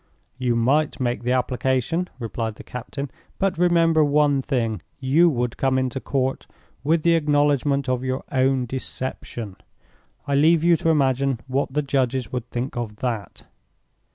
"You might make the application," replied the captain. "But remember one thing—you would come into Court with the acknowledgment of your own deception. I leave you to imagine what the judges would think of that."